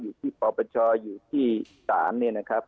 อยู่ที่ปปชอยู่ที่ศาลเนี่ยนะครับ